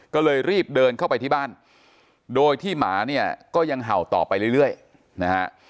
ก็เลยรีบเดินเข้าไปที่บ้านโดยที่หมาเนี่ยก็ยังเห่าต่อไปเรื่อยนะฮะ